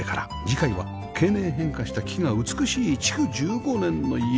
次回は経年変化した木が美しい築１５年の家